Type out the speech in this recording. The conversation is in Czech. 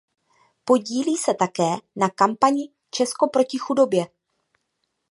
Podílí se také na kampani Česko proti chudobě.